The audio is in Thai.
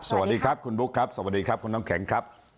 สวัสดีครับคุณบุ๊คครับสวัสดีครับคุณน้ำแข็งครับ